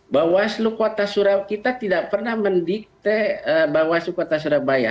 bawaslu kota surabaya kita tidak pernah mendikte bawaslu kota surabaya